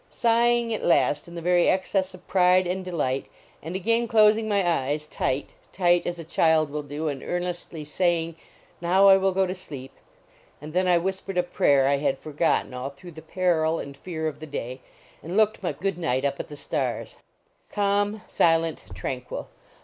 Sighing at last in the very excess of pride and delight, and again closing my eyes tight, tight, as a child will do, and earnestly saying, " Now I will go to sleep." And then I whispered a prayer I had forgotten all through the peril and fear of the day, and looked my good night up at the stars. Calm; silent; tranquil.